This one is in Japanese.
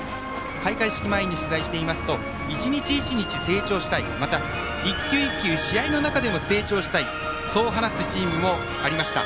開会式前に取材していますと１日１日成長したいまた１球１球試合の中でも成長したいそう話すチームもありました。